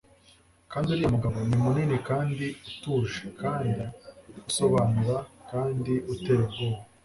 Kandi uriya mugabo ni munini kandi utuje kandi usobanura kandi uteye ubwoba,